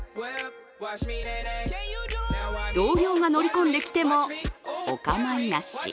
同僚が乗り込んできてもお構いなし。